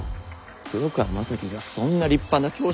黒川政樹がそんな立派な教師ならな